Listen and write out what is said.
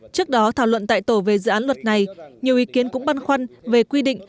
trước đó thảo luận tại tổ về dự án luật này nhiều ý kiến cũng băn khoăn về quy định